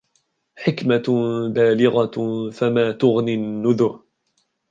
حِكْمَةٌ بَالِغَةٌ فَمَا تُغْنِ النُّذُرُ